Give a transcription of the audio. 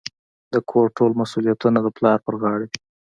د کور ټول مسوليتونه د پلار په غاړه وي.